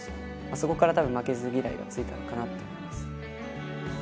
そこからたぶん負けず嫌いがついたのかなと思います。